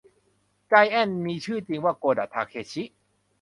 ไจแอนท์มีชื่อจริงว่าโกดะ ทาเคชิ